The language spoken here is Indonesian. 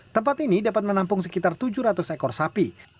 tempat ini dapat menampung sekitar tujuh ratus ekor sapi